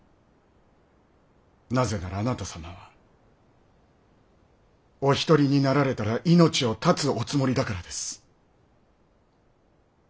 なぜならあなた様はお一人になられたら命を絶つおつもりだからです。